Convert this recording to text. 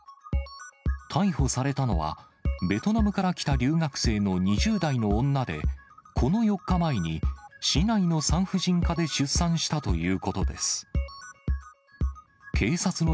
逮捕されたのは、ベトナムから来た留学生の２０代の女で、この４日前に市内の産婦人科で出産したということです。